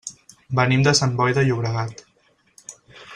Venim de Sant Boi de Llobregat.